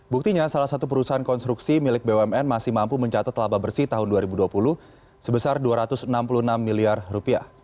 buktinya salah satu perusahaan konstruksi milik bumn masih mampu mencatat laba bersih tahun dua ribu dua puluh sebesar rp dua ratus enam puluh enam miliar rupiah